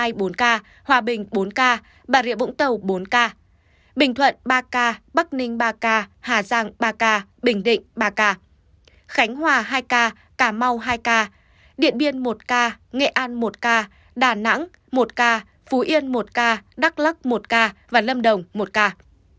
tại thành phố hồ chí minh một mươi ba ca trong đó có hai ca từ các tỉnh chuyển đến gồm long an một và tiền giang năm ca bình thuận ba ca bắc ninh ba ca hà giang ba ca bình định ba ca khánh hòa hai ca cà mau hai ca điện biên một ca nghệ an một ca đà nẵng một ca phú yên một ca đắk lắc một ca lâm đồng một ca